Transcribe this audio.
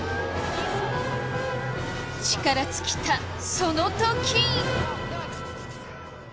力尽きたその時！